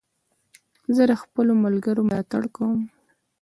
زه د خپلو ملګرو ملاتړ کوم.